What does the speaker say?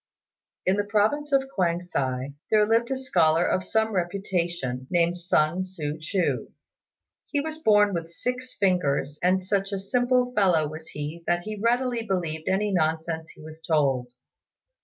In the province of Kuang si there lived a scholar of some reputation, named Sun Tzŭ ch'u. He was born with six fingers, and such a simple fellow was he that he readily believed any nonsense he was told.